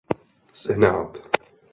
Senát.